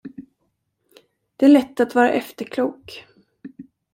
Det är lätt att vara efterklok.